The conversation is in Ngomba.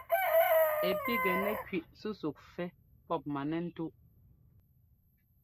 Ɛ píkŋɛ nɛ́ kẅí súsúk fɛ́ pɔp manɛ́ntúʼ.